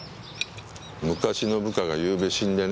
昔の部下が昨夜死んでね。